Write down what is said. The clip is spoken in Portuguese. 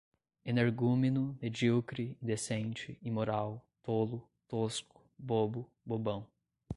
Energúmeno, medíocre, indecente, imoral, tolo, tosco, bobo, bobão